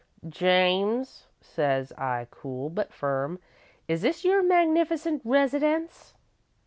"'James,' says I, cool but firm, 'is this your magnificent residence?'